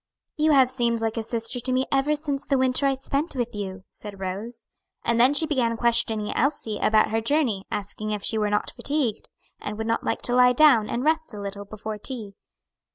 "You have seemed like a sister to me ever since the winter I spent with you," said Rose. And then she began questioning Elsie about her journey asking if she were not fatigued, and would not like to lie down and rest a little before tea.